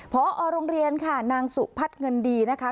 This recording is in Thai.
พอโรงเรียนค่ะนางสุพัฒน์เงินดีนะคะ